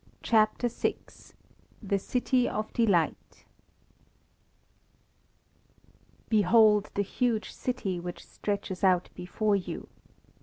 CHAPTER VI THE CITY OF DELIGHT Behold the huge city which stretches out before you.